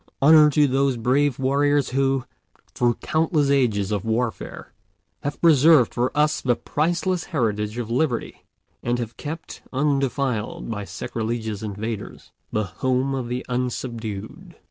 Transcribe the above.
Honor to those brave warriors who, through countless ages of warfare, have preserved for us the priceless heritage of liberty, and have kept undefiled by sacrilegious invaders the home of the unsubdued.